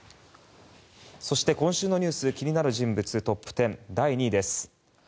そして今週の気になる人物トップ１０第２位です。